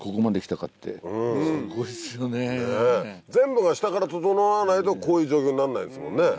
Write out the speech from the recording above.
全部が下から整わないとこういう状況になんないですもんね。